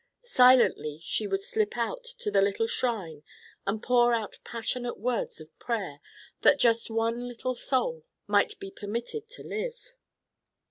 Silently she would slip out to the little shrine and pour out passionate words of prayer that just one little soul might be permitted to live.